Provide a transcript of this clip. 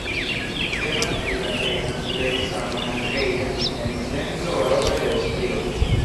Temas pri la plej ampleksa monaĥeja ensemblo baroka de Aŭstrio.